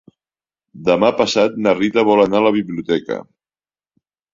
Demà passat na Rita vol anar a la biblioteca.